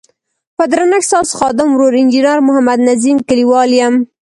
په درنښت ستاسو خادم ورور انجنیر محمد نظیم کلیوال یم.